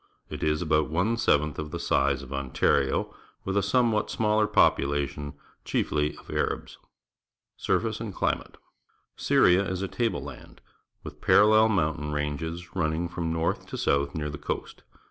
It is about one seventh of the size of Ontario, with a somewhat smaller population, chief!}' of Arabs. Surface and Climate. — S^ ria is a table land, ^^^th parallel mountain ranges run ning from north to south near the coast.